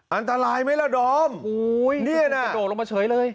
อันตรายไหมล่ะดอมเนี่ยนะโดดลงมาเฉยเลย